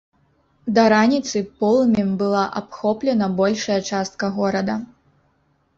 Да раніцы полымем была абхоплена большая частка горада.